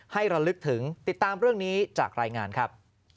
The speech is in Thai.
ระลึกถึงติดตามเรื่องนี้จากรายงานครับ